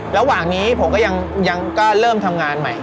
ระหว่างนี้ผมก็ยังก็เริ่มทำงานใหม่